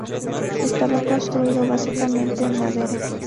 Estaba construido básicamente en madera.